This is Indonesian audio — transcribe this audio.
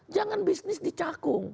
jangan bisnis dicakung